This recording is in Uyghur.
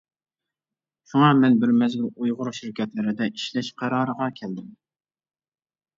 شۇڭا، مەن بىر مەزگىل ئۇيغۇر شىركەتلىرىدە ئىشلەش قارارىغا كەلدىم.